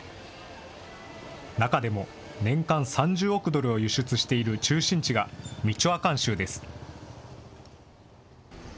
中でも、年間３０億ドルを輸出している中心地がミチョアカン州です。